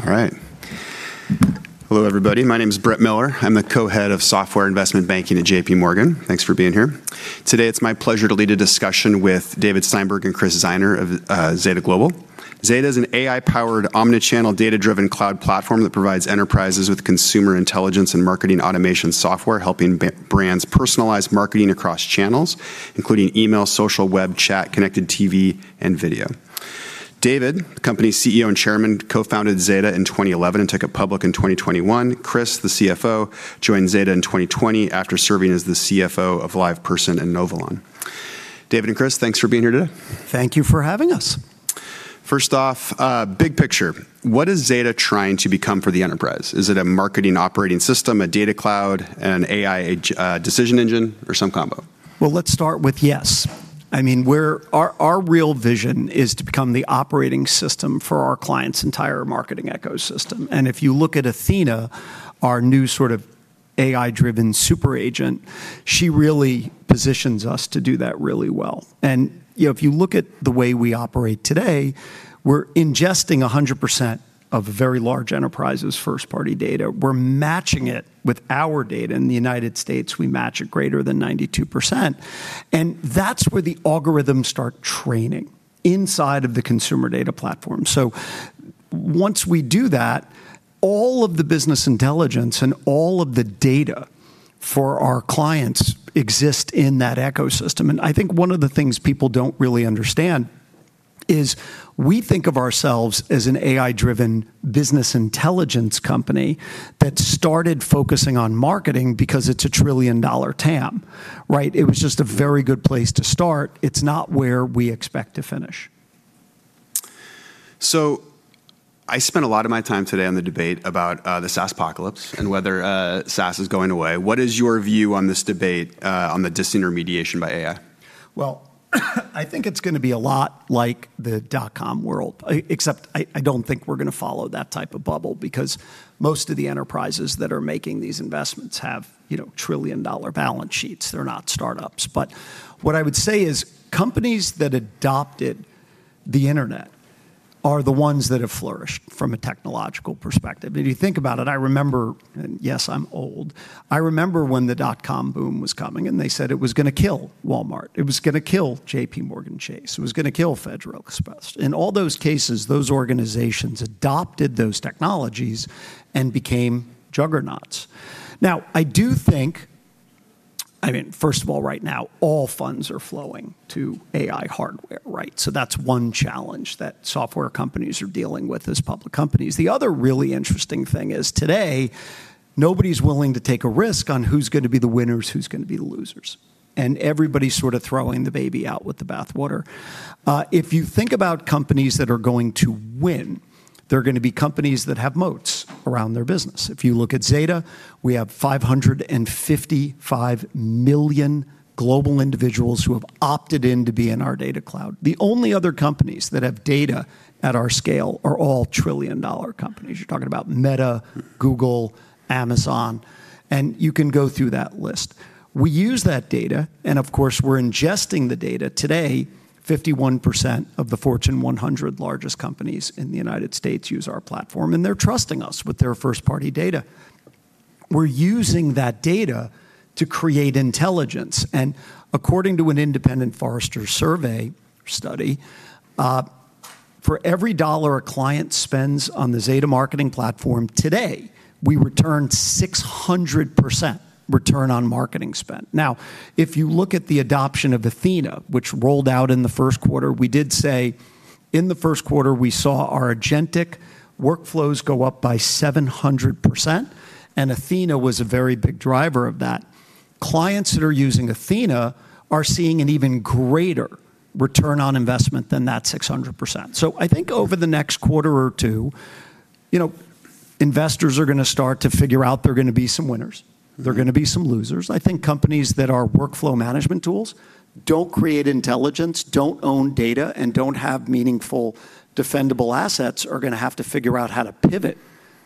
All right. Hello everybody. My name's Brett Miller. I'm the Co-Head of software investment banking at J.P. Morgan. Thanks for being here. Today, it's my pleasure to lead a discussion with David Steinberg and Chris Greiner of Zeta Global. Zeta is an AI-powered omni-channel data-driven cloud platform that provides enterprises with consumer intelligence and marketing automation software, helping brands personalize marketing across channels, including email, social, web, chat, Connected TV, and video. David, the company's CEO and Chairman, co-founded Zeta in 2011 and took it public in 2021. Chris, the CFO, joined Zeta in 2020 after serving as the CFO of LivePerson and Inovalon. David and Chris, thanks for being here today. Thank you for having us. First off, big picture, what is Zeta trying to become for the enterprise? Is it a marketing operating system, a data cloud, an AI decision engine, or some combo? Well, let's start with yes. I mean, our real vision is to become the operating system for our clients' entire marketing ecosystem, and if you look at Athena, our new sort of AI-driven super agent, she really positions us to do that really well. You know, if you look at the way we operate today, we're ingesting 100% of a very large enterprise's first-party data. We're matching it with our data. In the United States, we match at greater than 92%, and that's where the algorithms start training, inside of the consumer data platform. Once we do that, all of the business intelligence and all of the data for our clients exist in that ecosystem, and I think one of the things people don't really understand is we think of ourselves as an AI-driven business intelligence company that started focusing on marketing because it's a trillion-dollar TAM, right? It was just a very good place to start. It's not where we expect to finish. I spent a lot of my time today on the debate about the SaaSpocalypse and whether SaaS is going away. What is your view on this debate on the disintermediation by AI? Well, I think it's gonna be a lot like the dot-com world, except I don't think we're gonna follow that type of bubble because most of the enterprises that are making these investments have, you know, trillion-dollar balance sheets. They're not startups. What I would say is companies that adopted the internet are the ones that have flourished from a technological perspective. If you think about it, I remember, and yes, I'm old, I remember when the dot-com boom was coming, and they said it was gonna kill Walmart. It was gonna kill JPMorganChase. It was gonna kill Federal Express. In all those cases, those organizations adopted those technologies and became juggernauts. I do think I mean, first of all, right now, all funds are flowing to AI hardware, right? That's one challenge that software companies are dealing with as public companies. The other really interesting thing is today nobody's willing to take a risk on who's gonna be the winners, who's gonna be the losers, and everybody's sort of throwing the baby out with the bathwater. If you think about companies that are going to win, they're gonna be companies that have moats around their business. If you look at Zeta, we have 555 million global individuals who have opted in to be in our data cloud. The only other companies that have data at our scale are all trillion-dollar companies. You're talking about Meta, Google, Amazon, and you can go through that list. We use that data, and of course, we're ingesting the data. Today, 51% of the Fortune 100 largest companies in the United States use our platform, and they're trusting us with their first-party data. We're using that data to create intelligence. According to an independent Forrester survey study, for every $1 a client spends on the Zeta Marketing Platform today, we return 600% return on marketing spend. If you look at the adoption of Athena, which rolled out in the first quarter, we did say in the first quarter we saw our agentic workflows go up by 700%, and Athena was a very big driver of that. Clients that are using Athena are seeing an even greater return on investment than that 600%. I think over the next quarter or two, you know, investors are gonna start to figure out there are gonna be some winners. There are gonna be some losers. I think companies that are workflow management tools don't create intelligence, don't own data, and don't have meaningful defendable assets are gonna have to figure out how to pivot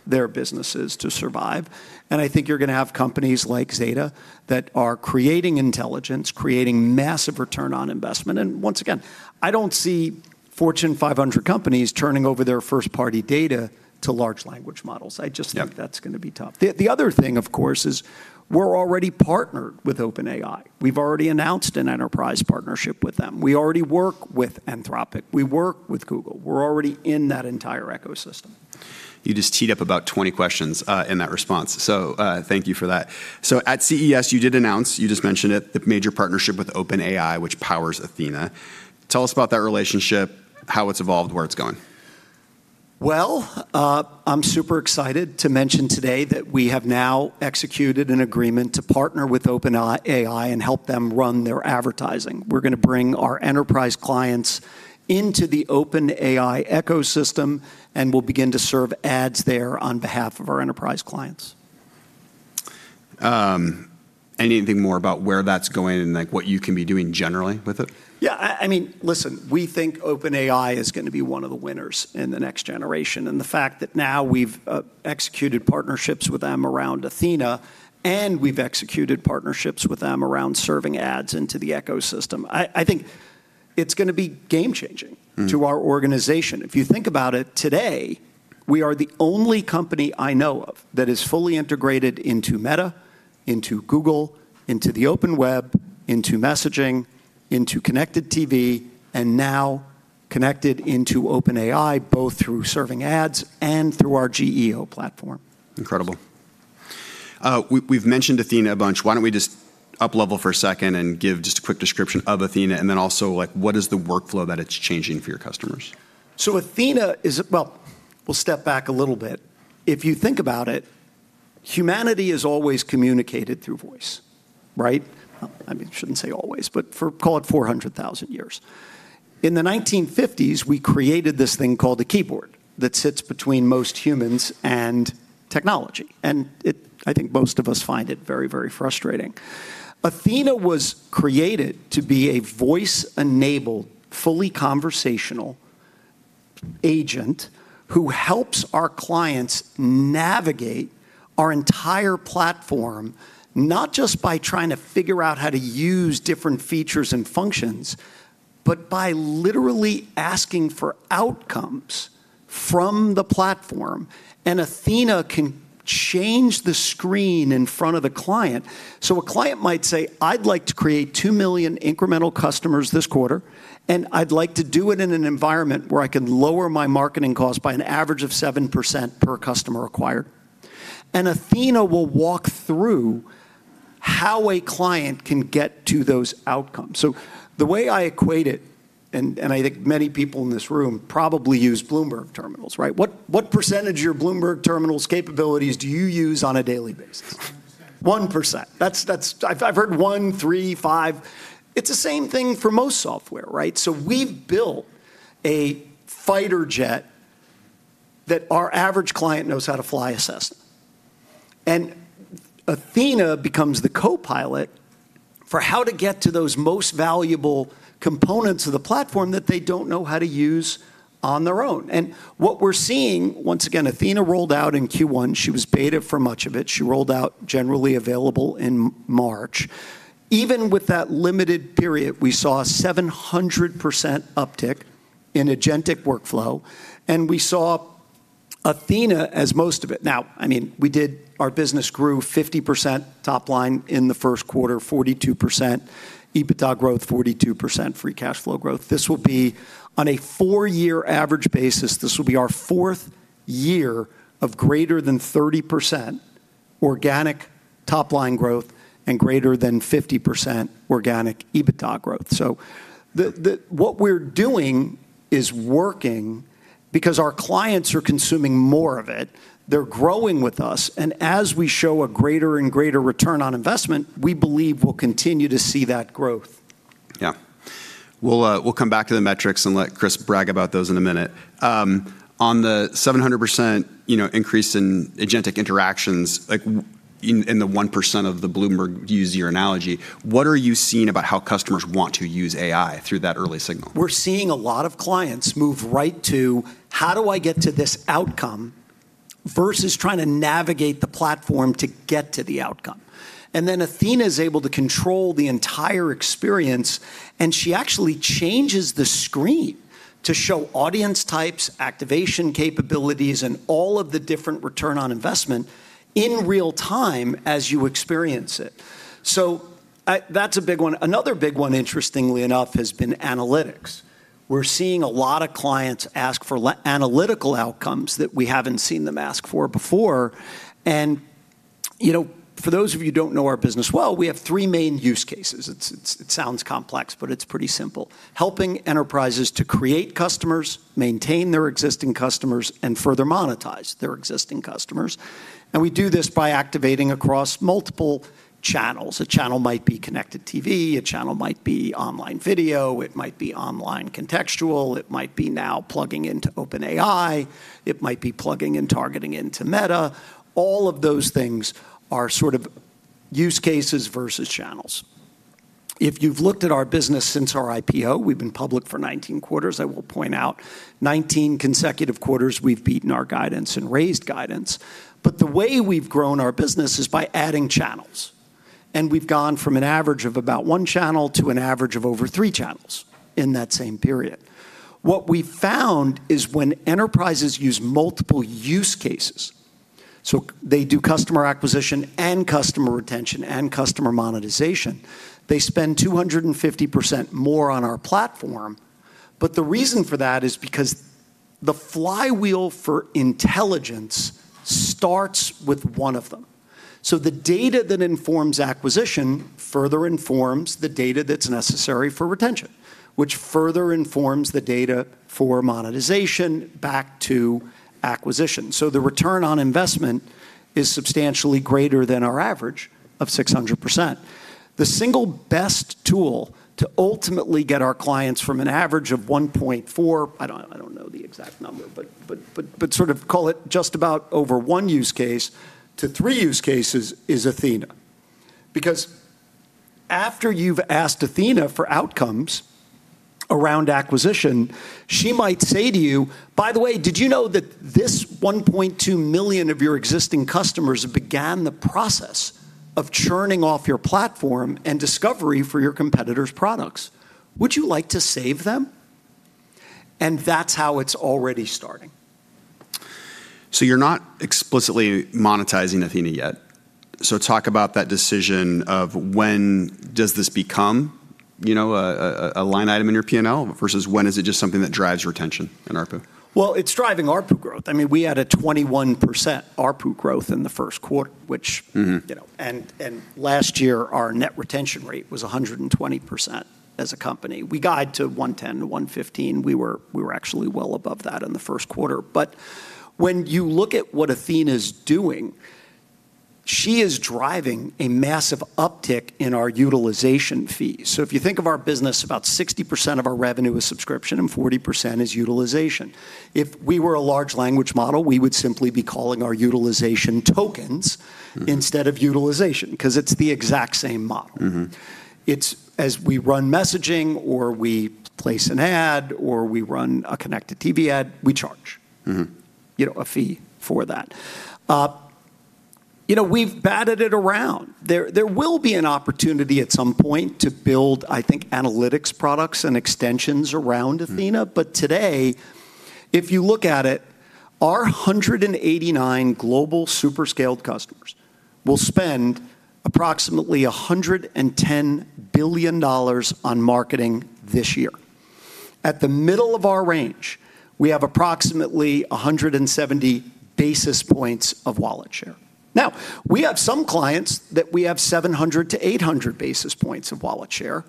their businesses to survive, and I think you're gonna have companies like Zeta that are creating intelligence, creating massive return on investment, and once again, I don't see Fortune 500 companies turning over their first-party data to large language models. Yeah that's gonna be tough. The other thing, of course, is we're already partnered with OpenAI. We've already announced an enterprise partnership with them. We already work with Anthropic. We work with Google. We're already in that entire ecosystem. You just teed up about 20 questions, in that response, so, thank you for that. At CES you did announce, you just mentioned it, the major partnership with OpenAI, which powers Athena. Tell us about that relationship, how it's evolved, where it's going. Well, I'm super excited to mention today that we have now executed an agreement to partner with OpenAI and help them run their advertising. We're gonna bring our enterprise clients into the OpenAI ecosystem, and we'll begin to serve ads there on behalf of our enterprise clients. Anything more about where that's going and, like, what you can be doing generally with it? I mean, listen, we think OpenAI is going to be one of the winners in the next generation, and the fact that now we've executed partnerships with them around Athena, and we've executed partnerships with them around serving ads into the ecosystem, it's going to be game-changing. to our organization. If you think about it, today we are the only company I know of that is fully integrated into Meta, into Google, into the open web, into messaging, into Connected TV, and now connected into OpenAI, both through serving ads and through our GEO platform. Incredible. We've mentioned Athena a bunch. Why don't we just up-level for a second and give just a quick description of Athena, and then also, like, what is the workflow that it's changing for your customers? Well, we'll step back a little bit. If you think about it, humanity has always communicated through voice, right? Well, I mean, I shouldn't say always, but for, call it 400,000 years. In the 1950s, we created this thing called the keyboard that sits between most humans and technology, I think most of us find it very frustrating. Athena was created to be a voice-enabled, fully conversational agent who helps our clients navigate our entire platform, not just by trying to figure out how to use different features and functions, but by literally asking for outcomes from the platform. Athena can change the screen in front of the client. A client might say, "I'd like to create 2 million incremental customers this quarter, and I'd like to do it in an environment where I can lower my marketing costs by an average of 7% per customer acquired." Athena will walk through how a client can get to those outcomes. The way I equate it, and I think many people in this room probably use Bloomberg terminals, right? What percentage of your Bloomberg terminal's capabilities do you use on a daily basis? 1%. 1%. That's I've heard 1, 3, 5. It's the same thing for most software, right? We've built a fighter jet that our average client knows how to fly a Cessna. Athena becomes the co-pilot for how to get to those most valuable components of the platform that they don't know how to use on their own. What we're seeing Once again, Athena rolled out in Q1. She was beta for much of it. She rolled out generally available in March. Even with that limited period, we saw a 700% uptick in agentic workflow, and we saw Athena as most of it. Now, I mean, we did, our business grew 50% top line in the first quarter, 42% EBITDA growth, 42% free cash flow growth. This will be, on a four-year average basis, this will be our fourth year of greater than 30% organic top-line growth and greater than 50% organic EBITDA growth. What we're doing is working because our clients are consuming more of it. They're growing with us. As we show a greater and greater return on investment, we believe we'll continue to see that growth. Yeah. We'll come back to the metrics and let Chris brag about those in a minute. On the 700% you know, increase in agentic interactions, like, in the 1% of the Bloomberg, to use your analogy, what are you seeing about how customers want to use AI through that early signal? We're seeing a lot of clients move right to, "How do I get to this outcome?" versus trying to navigate the platform to get to the outcome. Athena's able to control the entire experience, and she actually changes the screen to show audience types, activation capabilities, and all of the different return on investment in real time as you experience it. That's a big one. Another big one, interestingly enough, has been analytics. We're seeing a lot of clients ask for analytical outcomes that we haven't seen them ask for before. You know, for those of you who don't know our business well, we have three main use cases. It sounds complex, but it's pretty simple. Helping enterprises to create customers, maintain their existing customers, and further monetize their existing customers, and we do this by activating across multiple channels. A channel might be Connected TV, a channel might be online video, it might be online contextual, it might be now plugging into OpenAI, it might be plugging and targeting into Meta. All of those things are sort of use cases versus channels. If you've looked at our business since our IPO, we've been public for 19 quarters, I will point out. 19 consecutive quarters we've beaten our guidance and raised guidance, the way we've grown our business is by adding channels, and we've gone from an average of about one channel to an average of over three channels in that same period. What we've found is when enterprises use multiple use cases, so they do customer acquisition and customer retention and customer monetization, they spend 250% more on our platform. The reason for that is because the flywheel for intelligence starts with one of them. The data that informs acquisition further informs the data that's necessary for retention, which further informs the data for monetization back to acquisition. The return on investment is substantially greater than our average of 600%. The single best tool to ultimately get our clients from an average of 1.4, I don't know the exact number, but sort of call it just about over one use case to three use cases, is Athena. After you've asked Athena for outcomes around acquisition, she might say to you, "By the way, did you know that this 1.2 million of your existing customers began the process of churning off your platform and discovery for your competitors' products. Would you like to save them?" That's how it's already starting. You're not explicitly monetizing Athena yet. Talk about that decision of when does this become, you know, a line item in your P&L versus when is it just something that drives retention in ARPU? Well, it's driving ARPU growth. I mean, we had a 21% ARPU growth in the first quarter. you know, and last year our net retention rate was 120% as a company. We guide to 110%-115%. We were actually well above that in the first quarter. When you look at what Athena's doing, she is driving a massive uptick in our utilization fees. If you think of our business, about 60% of our revenue is subscription and 40% is utilization. If we were a large language model, we would simply be calling our utilization tokens. instead of utilization, 'cause it's the exact same model. It's as we run messaging, or we place an ad, or we run a Connected TV ad, we charge. you know, a fee for that. You know, we've batted it around. There will be an opportunity at some point to build, I think, analytics products and extensions around Athena. Today, if you look at it, our 189 global Super-Scaled customers will spend approximately $110 billion on marketing this year. At the middle of our range, we have approximately 170 basis points of wallet share. We have some clients that we have 700 basis points-800 basis points of wallet share,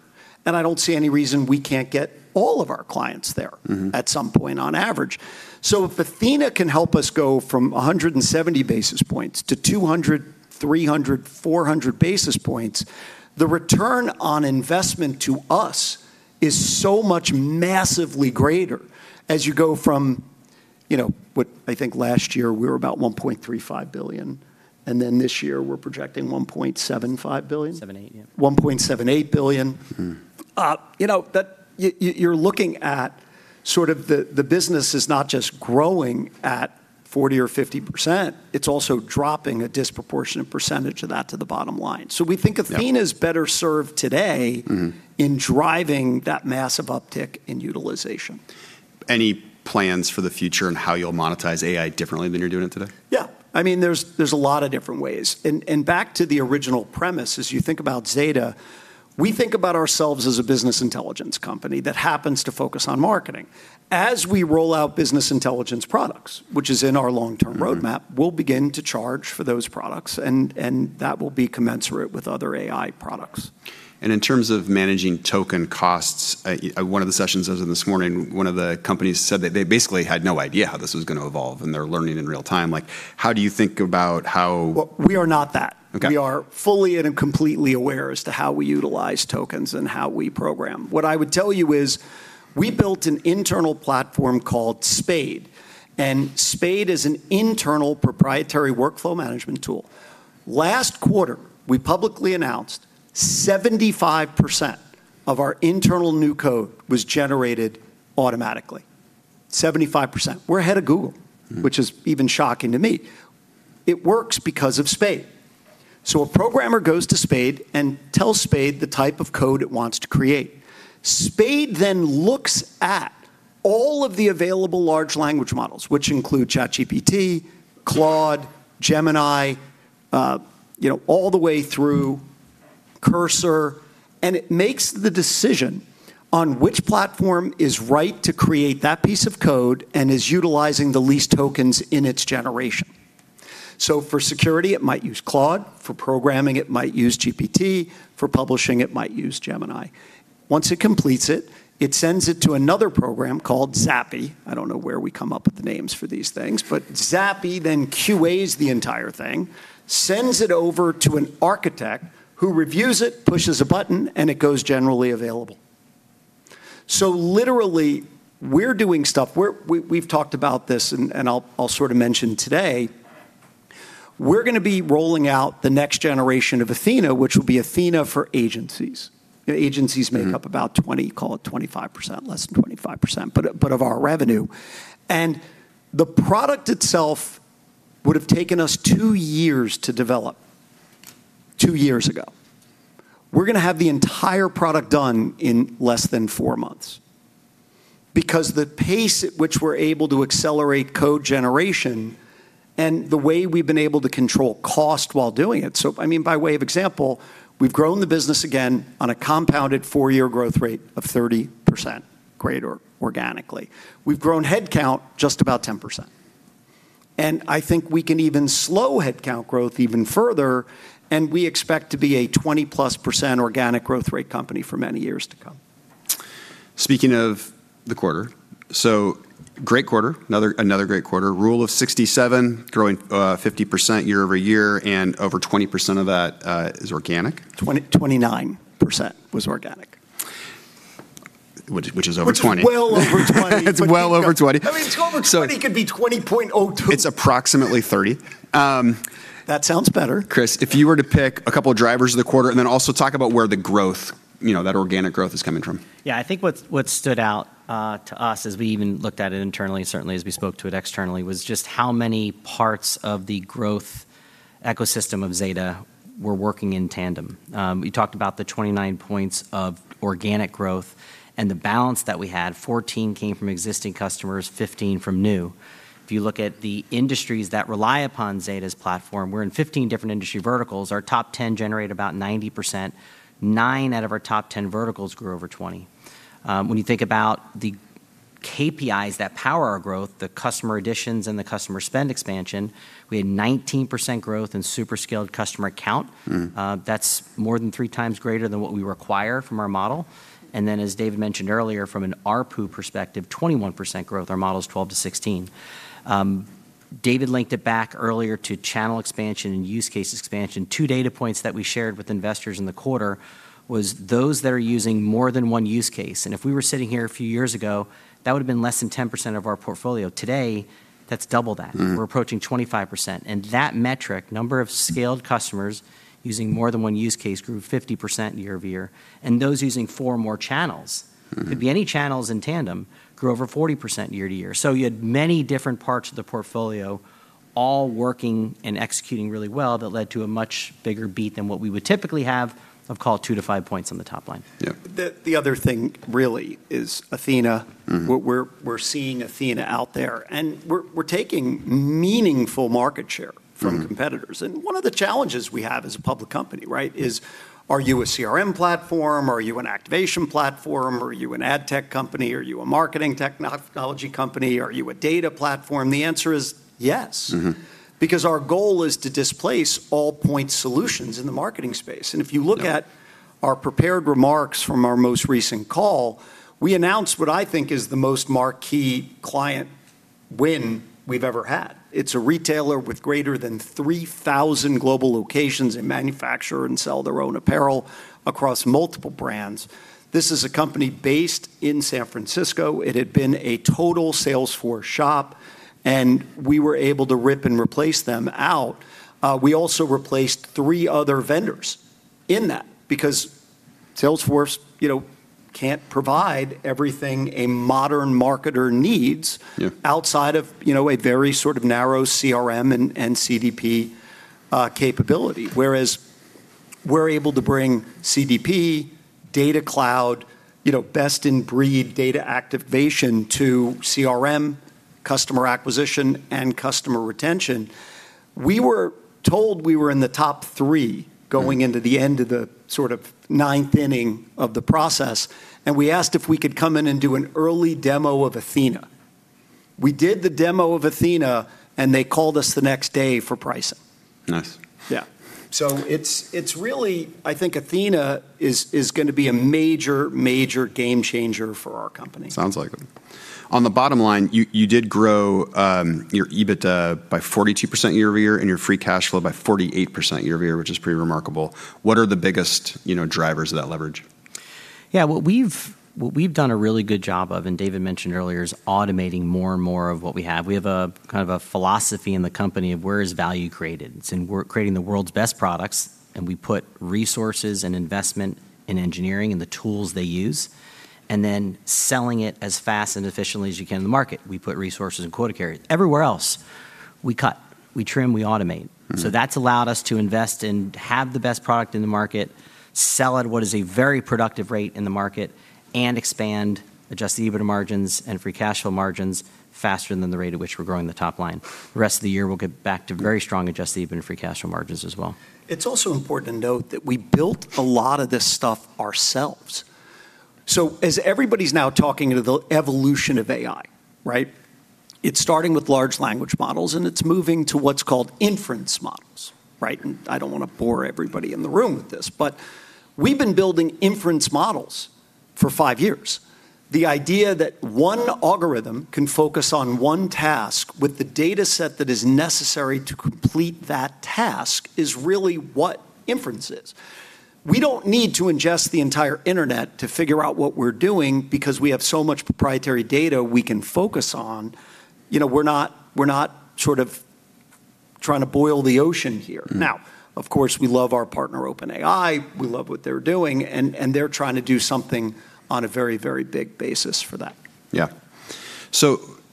and I don't see any reason we can't get all of our clients there. at some point on average. If Athena can help us go from 170 basis points to 200, 300, 400 basis points, the return on investment to us is so much massively greater as you go from, you know, what I think last year we were about $1.35 billion, and then this year we're projecting $1.75 billion. $1.78, yeah. $1.78 billion. You know, that you're looking at sort of the business is not just growing at 40% or 50%, it's also dropping a disproportionate percentage of that to the bottom line. Yeah Athena's better served today- in driving that massive uptick in utilization. Any plans for the future in how you'll monetize AI differently than you're doing it today? Yeah. I mean, there's a lot of different ways. Back to the original premise, as you think about Zeta, we think about ourselves as a business intelligence company that happens to focus on marketing. As we roll out business intelligence products, which is in our long-term. roadmap, we'll begin to charge for those products and that will be commensurate with other AI products. In terms of managing token costs, one of the sessions as of this morning, one of the companies said that they basically had no idea how this was gonna evolve, and they're learning in real time. Like, how do you think about? Well, we are not that. Okay. We are fully and completely aware as to how we utilize tokens and how we program. What I would tell you is we built an internal platform called SPADE. SPADE is an internal proprietary workflow management tool. Last quarter, we publicly announced 75% of our internal new code was generated automatically. 75%. We're ahead of Google. which is even shocking to me. It works because of SPADE. A programmer goes to SPADE and tells SPADE the type of code it wants to create. SPADE looks at all of the available large language models, which include ChatGPT, Claude, Gemini, you know, all the way through Cursor, and it makes the decision on which platform is right to create that piece of code and is utilizing the least tokens in its generation. For security it might use Claude, for programming it might use GPT, for publishing it might use Gemini. Once it completes it sends it to another program called Zappy. I don't know where we come up with the names for these things. Zappy then QAs the entire thing, sends it over to an architect, who reviews it, pushes a button, and it goes generally available. Literally we've talked about this and I'll sort of mention today, we're gonna be rolling out the next generation of Athena, which will be Athena for agencies. Make up about 20, call it 25%, less than 25%, but of our revenue. The product itself would've taken us two years to develop two years ago. We're gonna have the entire product done in less than four months because the pace at which we're able to accelerate code generation and the way we've been able to control cost while doing it. I mean, by way of example, we've grown the business again on a compounded four-year growth rate of 30% grade or organically. We've grown headcount just about 10%. I think we can even slow headcount growth even further, and we expect to be a 20%+ organic growth rate company for many years to come. Speaking of the quarter, great quarter. Another great quarter. Rule of 67 growing 50% year-over-year, and over 20% of that is organic. 20%-29% was organic. Which is over 20. Which is well over 20. It's well over 20. I mean, it's over 20. So- it could be $20.02. it's approximately 30. That sounds better. Chris, if you were to pick a couple drivers of the quarter, and then also talk about where the growth, you know, that organic growth is coming from. Yeah. I think what stood out to us as we even looked at it internally, certainly as we spoke to it externally, was just how many parts of the growth ecosystem of Zeta were working in tandem. You talked about the 29 points of organic growth and the balance that we had, 14 came from existing customers, 15 from new. If you look at the industries that rely upon Zeta's platform, we're in 15 different industry verticals. Our top 10 generate about 90%. Nine out of our top 10 verticals grew over 20%. When you think about the KPIs that power our growth, the customer additions and the customer spend expansion, we had 19% growth in Super-Scaled customer count. That's more than three times greater than what we require from our model. As David mentioned earlier, from an ARPU perspective, 21% growth. Our model is 12%-16%. David linked it back earlier to channel expansion and use case expansion. Two data points that we shared with investors in the quarter was those that are using more than one use case, and if we were sitting here a few years ago, that would've been less than 10% of our portfolio. Today, that's double that. We're approaching 25%. That metric, number of scaled customers using more than one use case, grew 50% year-over-year. Those using four or more channels. could be any channels in tandem, grew over 40% year-over-year. You had many different parts of the portfolio all working and executing really well that led to a much bigger beat than what we would typically have. I'd call it two to five points on the top line. Yeah. The other thing really is Athena. We're seeing Athena out there, and we're taking meaningful market share. from competitors, and one of the challenges we have as a public company, right, is are you a CRM platform? Are you an activation platform? Are you an ad tech company? Are you a marketing technology company? Are you a data platform? The answer is yes. Because our goal is to displace all point solutions in the marketing space. Yeah our prepared remarks from our most recent call, we announced what I think is the most marquee client win we've ever had. It's a retailer with greater than 3,000 global locations. They manufacture and sell their own apparel across multiple brands. This is a company based in San Francisco. It had been a total Salesforce shop, and we were able to rip and replace them out. We also replaced three other vendors in that because Salesforce, you know, can't provide everything a modern marketer needs. Yeah outside of, you know, a very sort of narrow CRM and CDP capability, whereas we're able to bring CDP, data cloud, you know, best in breed data activation to CRM, customer acquisition, and customer retention. We were told we were in the top three going into the end of the sort of ninth inning of the process. We asked if we could come in and do an early demo of Athena. We did the demo of Athena. They called us the next day for pricing. Nice. Yeah. It's really I think Athena is gonna be a major game changer for our company. Sounds like it. On the bottom line, you did grow your EBITDA by 42% year-over-year and your free cash flow by 48% year-over-year, which is pretty remarkable. What are the biggest, you know, drivers of that leverage? Yeah, what we've done a really good job of, and David mentioned earlier, is automating more and more of what we have. We have kind of a philosophy in the company of where is value created. We're creating the world's best products. We put resources and investment in engineering and the tools they use, selling it as fast and efficiently as you can in the market. We put resources in quota carriers. Everywhere else, we cut, we trim, we automate. That's allowed us to invest and have the best product in the market, sell at what is a very productive rate in the market, and expand, adjust the EBITDA margins and free cash flow margins faster than the rate at which we're growing the top line. The rest of the year, we'll get back to very strong adjusted EBITDA and free cash flow margins as well. It's also important to note that we built a lot of this stuff ourselves. As everybody's now talking of the evolution of AI, right? It's starting with large language models, and it's moving to what's called inference models, right? I don't wanna bore everybody in the room with this, but we've been building inference models for five years. The idea that one algorithm can focus on one task with the data set that is necessary to complete that task is really what inference is. We don't need to ingest the entire internet to figure out what we're doing because we have so much proprietary data we can focus on. You know, we're not sort of trying to boil the ocean here. Now, of course, we love our partner, OpenAI. We love what they're doing, and they're trying to do something on a very big basis for that. Yeah.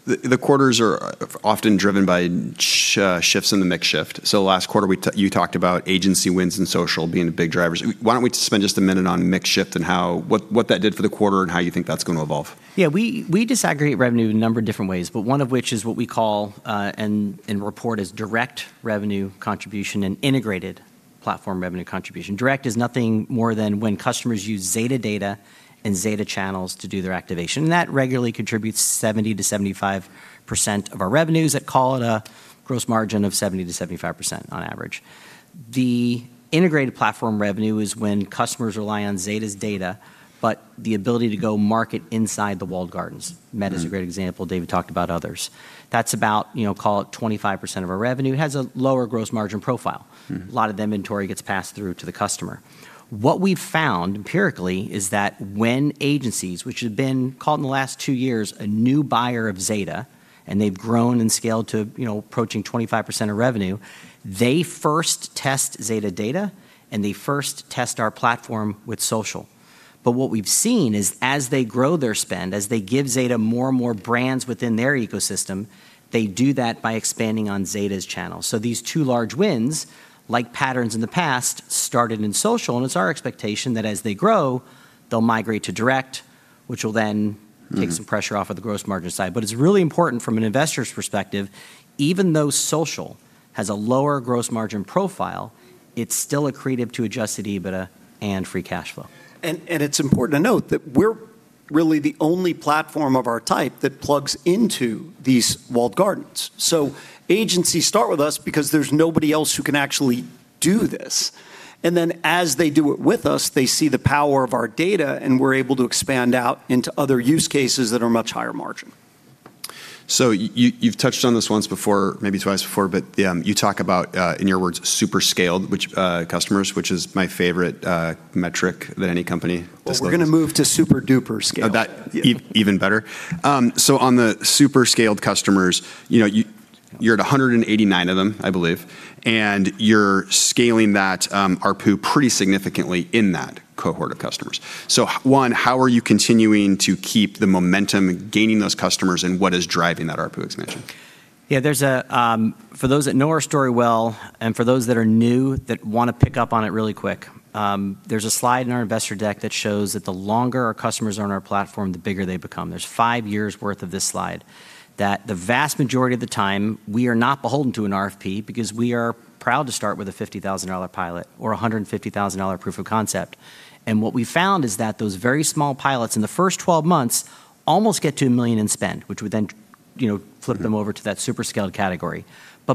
The quarters are often driven by shifts in the mix shift, the last quarter you talked about agency wins and social being the big drivers. Why don't we just spend a minute on mix shift and how what that did for the quarter and how you think that's gonna evolve? Yeah. We disaggregate revenue in a number of different ways, but one of which is what we call and report as direct revenue contribution and integrated platform revenue contribution. Direct is nothing more than when customers use Zeta data and Zeta channels to do their activation, and that regularly contributes 70%-75% of our revenues. I'd call it a gross margin of 70%-75% on average. The integrated platform revenue is when customers rely on Zeta's data, but the ability to go market inside the walled gardens. Meta is a great example. David talked about others. That's about, you know, call it 25% of our revenue. It has a lower gross margin profile. A lot of the inventory gets passed through to the customer. What we've found empirically is that when agencies, which have been, call it in the last two years, a new buyer of Zeta, and they've grown and scaled to, you know, approaching 25% of revenue, they first test Zeta data, and they first test our platform with social. What we've seen is as they grow their spend, as they give Zeta more and more brands within their ecosystem, they do that by expanding on Zeta's channel. These two large wins, like patterns in the past, started in social, and it's our expectation that as they grow, they'll migrate to direct. take some pressure off of the gross margin side. It's really important from an investor's perspective, even though social has a lower gross margin profile, it's still accretive to adjusted EBITDA and free cash flow. It's important to note that we're really the only platform of our type that plugs into these walled gardens. Agencies start with us because there's nobody else who can actually do this. As they do it with us, they see the power of our data, and we're able to expand out into other use cases that are much higher margin. You've touched on this once before, maybe twice before, but you talk about in your words, Super-Scaled, which customers, which is my favorite metric that any company displays. Well, we're gonna move to super duper scale. Oh, that- Yeah Even better. On the Super-Scaled customers, you know, you're at 189 of them, I believe, and you're scaling that ARPU pretty significantly in that cohort of customers. One, how are you continuing to keep the momentum, gaining those customers, and what is driving that ARPU expansion? There's a, for those that know our story well, and for those that are new that wanna pick up on it really quick, there's a slide in our investor deck that shows that the longer our customers are on our platform, the bigger they become. There's five years worth of this slide, that the vast majority of the time we are not beholden to an RFP because we are proud to start with a $50,000 pilot or $150,000 proof of concept. What we found is that those very small pilots in the first 12 months almost get to $1 million in spend, which would then, you know, flip them over to that Super-Scaled category.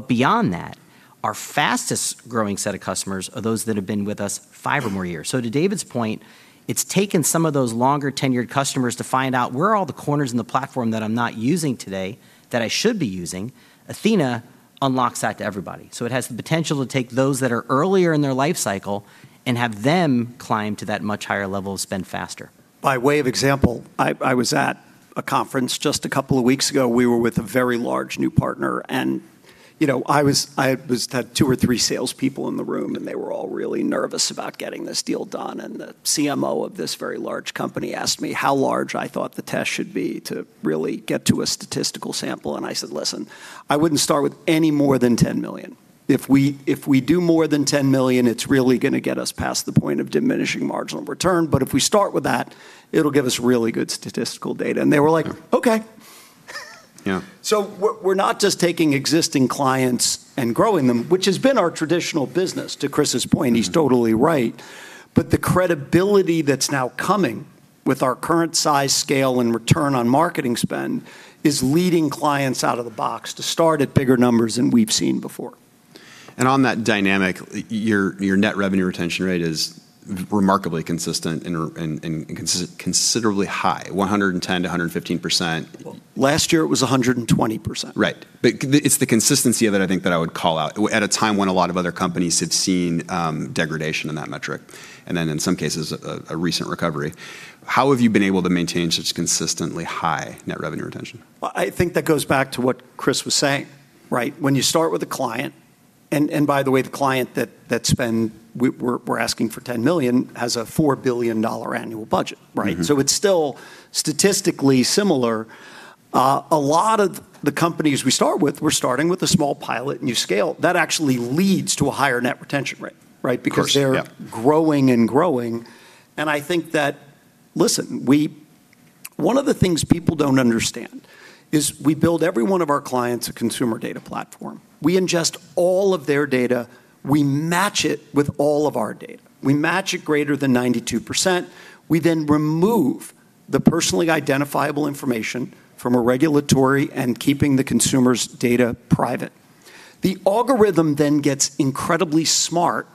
Beyond that, our fastest growing set of customers are those that have been with us five or more years. To David's point, it's taken some of those longer tenured customers to find out where are all the corners in the platform that I'm not using today that I should be using. Athena unlocks that to everybody, it has the potential to take those that are earlier in their life cycle and have them climb to that much higher level of spend faster. By way of example, I was at a conference just a couple of weeks ago. We were with a very large new partner and, you know, I had two or three salespeople in the room, and they were all really nervous about getting this deal done, and the CMO of this very large company asked me how large I thought the test should be to really get to a statistical sample. I said, "Listen, I wouldn't start with any more than $10 million." If we do more than $10 million, it's really gonna get us past the point of diminishing marginal return. If we start with that, it'll give us really good statistical data. They were like, "Okay. Yeah. We're not just taking existing clients and growing them, which has been our traditional business, to Chris's point. He's totally right, the credibility that's now coming with our current size, scale, and return on marketing spend is leading clients out of the box to start at bigger numbers than we've seen before. On that dynamic, your net revenue retention rate is remarkably consistent and considerably high, 110%-115%. Last year it was 120%. Right. It's the consistency of it, I think, that I would call out at a time when a lot of other companies had seen degradation in that metric, and then in some cases a recent recovery. How have you been able to maintain such consistently high net revenue retention? Well, I think that goes back to what Chris was saying, right? When you start with a client, and by the way, the client that spend, we're asking for $10 million, has a $4 billion annual budget, right? It's still statistically similar. A lot of the companies we start with, we're starting with a small pilot and you scale. That actually leads to a higher net retention rate, right? Of course. Yep. They're growing and growing, and I think that Listen, one of the things people don't understand is we build every one of our clients a consumer data platform. We ingest all of their data, we match it with all of our data. We match it greater than 92%. We remove the personally identifiable information from a regulatory and keeping the consumer's data private. The algorithm then gets incredibly smart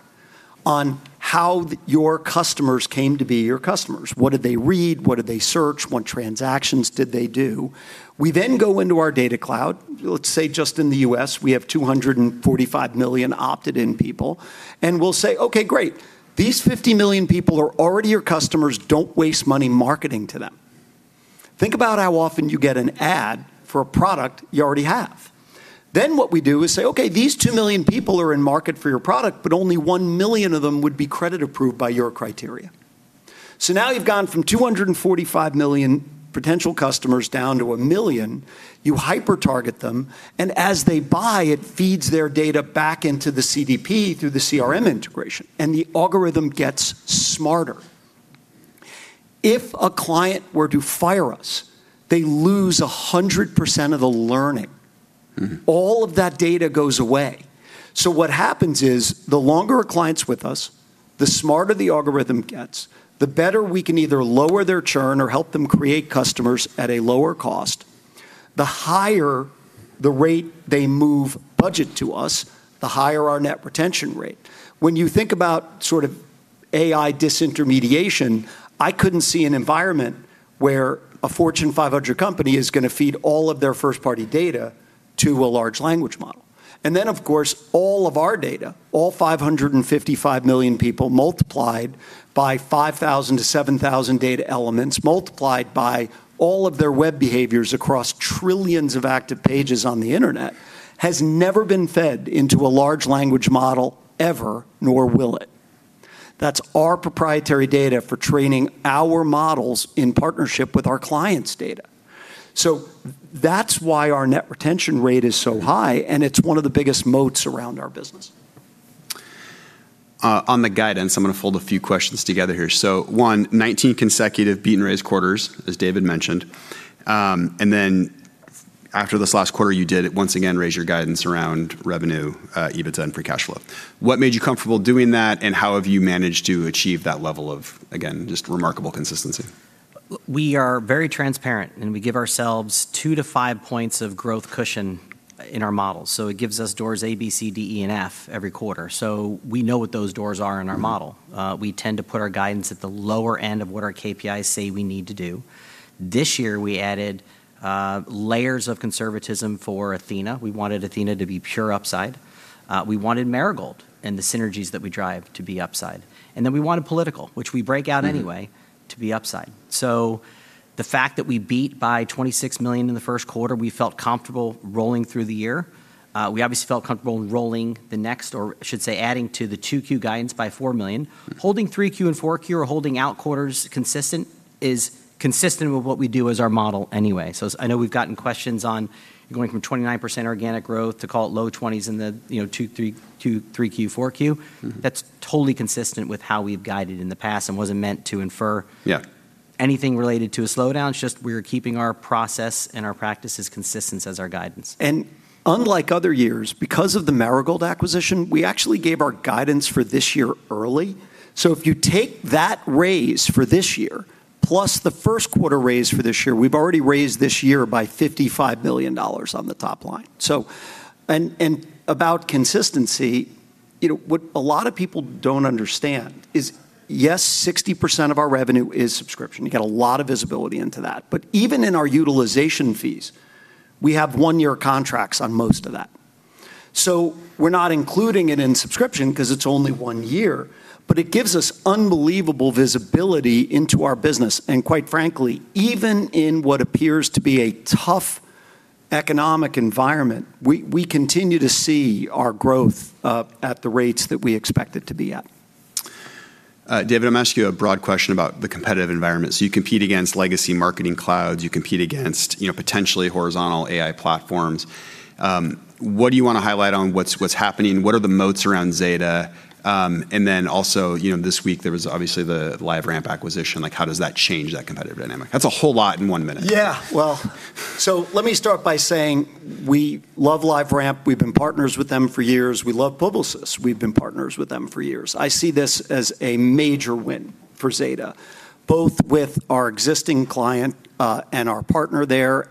on how your customers came to be your customers. What did they read? What did they search? What transactions did they do? We go into our data cloud. Let's say just in the U.S. we have 245 million opted-in people. We'll say, "Okay, great. These 50 million people are already your customers. Don't waste money marketing to them." Think about how often you get an ad for a product you already have. What we do is say, "Okay, these 2 million people are in market for your product, but only 1 million of them would be credit approved by your criteria." Now you've gone from 245 million potential customers down to a million. You hyper target them, and as they buy, it feeds their data back into the CDP through the CRM integration, and the algorithm gets smarter. If a client were to fire us, they lose 100% of the learning. All of that data goes away. What happens is the longer a client's with us, the smarter the algorithm gets, the better we can either lower their churn or help them create customers at a lower cost. The higher the rate they move budget to us, the higher our net retention rate. When you think about sort of AI disintermediation, I couldn't see an environment where a Fortune 500 company is gonna feed all of their first party data to a large language model. Then of course, all of our data, all 555 million people multiplied by 5,000-7,000 data elements, multiplied by all of their web behaviors across trillions of active pages on the internet, has never been fed into a large language model ever, nor will it. That's our proprietary data for training our models in partnership with our clients' data. That's why our net retention rate is so high, and it's one of the biggest moats around our business. On the guidance, I'm gonna fold a few questions together here. One, 19 consecutive beat and raise quarters, as David mentioned. After this last quarter, you did it once again, raise your guidance around revenue, EBIT and free cash flow. What made you comfortable doing that, and how have you managed to achieve that level of, again, just remarkable consistency? We are very transparent, and we give ourselves two to five points of growth cushion in our models, so it gives us doors A, B, C, D, E, and F every quarter. We know what those doors are in our model. We tend to put our guidance at the lower end of what our KPIs say we need to do. This year, we added layers of conservatism for Athena. We wanted Athena to be pure upside. We wanted Marigold and the synergies that we drive to be upside. Then we wanted political, which we break out anyway, to be upside. The fact that we beat by $26 million in the first quarter, we felt comfortable rolling through the year. We obviously felt comfortable in rolling the next, or I should say, adding to the 2Q guidance by $4 million. Holding 3Q and 4Q or holding out quarters consistent is consistent with what we do as our model anyway. I know we've gotten questions on going from 29% organic growth to call it low 20s in the, you know, 2Q, 3Q, 4Q. That's totally consistent with how we've guided in the past and wasn't meant to infer. Yeah anything related to a slowdown. It's just we're keeping our process and our practices consistent as our guidance. Unlike other years, because of the Marigold acquisition, we actually gave our guidance for this year early. If you take that raise for this year, plus the first quarter raise for this year, we've already raised this year by $55 million on the top line. About consistency, you know, what a lot of people don't understand is, yes, 60% of our revenue is subscription. You get a lot of visibility into that. But even in our utilization fees, we have one-year contracts on most of that. We're not including it in subscription 'cause it's only one year, but it gives us unbelievable visibility into our business. Quite frankly, even in what appears to be a tough economic environment, we continue to see our growth at the rates that we expect it to be at. David, I'm gonna ask you a broad question about the competitive environment. You compete against legacy marketing clouds, you compete against, you know, potentially horizontal AI platforms. What do you wanna highlight on what's happening? What are the moats around Zeta? You know, this week there was obviously the LiveRamp acquisition. Like, how does that change that competitive dynamic? That's a whole lot in one minute. Well, so let me start by saying we love LiveRamp. We've been partners with them for years. We love Publicis. We've been partners with them for years. I see this as a major win for Zeta, both with our existing client, and our partner there.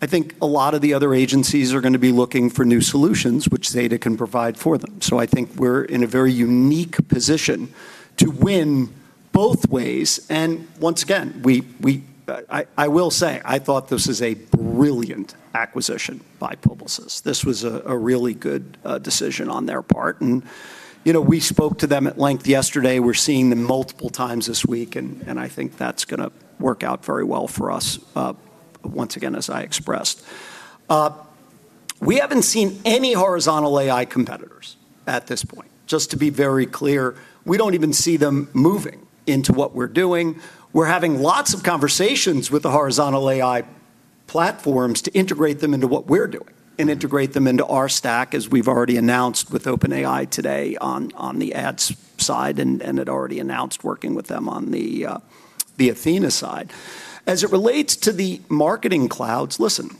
I think a lot of the other agencies are gonna be looking for new solutions which Zeta can provide for them. I think we're in a very unique position to win both ways. Once again, we I will say, I thought this is a brilliant acquisition by Publicis. This was a really good decision on their part. You know, we spoke to them at length yesterday. I think that's gonna work out very well for us, once again, as I expressed. We haven't seen any horizontal AI competitors at this point. Just to be very clear, we don't even see them moving into what we're doing. We're having lots of conversations with the horizontal AI platforms to integrate them into what we're doing and integrate them into our stack as we've already announced with OpenAI today on the ads side and had already announced working with them on the Athena side. As it relates to the marketing clouds, listen,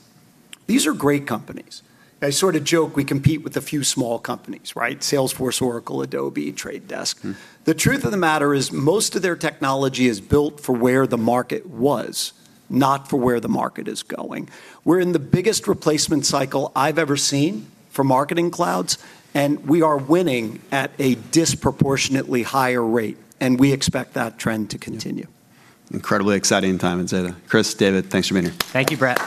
these are great companies. I sort of joke we compete with a few small companies, right? Salesforce, Oracle, Adobe, Trade Desk. The truth of the matter is most of their technology is built for where the market was, not for where the market is going. We're in the biggest replacement cycle I've ever seen for marketing clouds, and we are winning at a disproportionately higher rate, and we expect that trend to continue. Incredibly exciting time at Zeta. Chris, David, thanks for being here. Thank you, Brett.